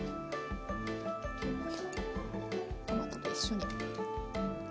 トマトと一緒に。